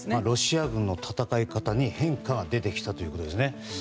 ロシア軍の戦い方に変化が出てきたということですね。